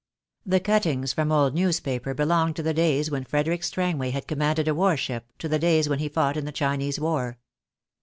The cuttings from old newspaper belonged to the days when Frederick Strangway had commanded a war ship, to the days when he fought in the Chinese war.